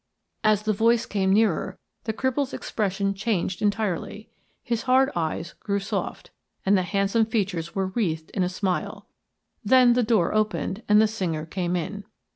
As the voice came nearer the cripple's expression changed entirely; his hard eyes grew soft, and the handsome features were wreathed in a smile. Then the door opened, and the singer came in.